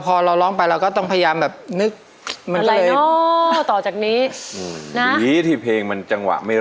พอเราร้องไปแล้วก็ต้องพยายาม